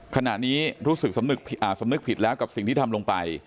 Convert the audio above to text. ขณะนี้รู้สึกสำนึกผิดแล้วกับสิ่งที่ทำลงไป